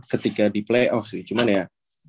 ketika di playoff sih cuman ya